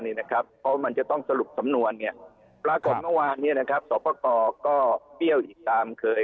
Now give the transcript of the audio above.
เพราะมันจะต้องสรุปสำนวนปรากฏเมื่อวานสอบประกอบก็เปรี้ยวอีกตามเคย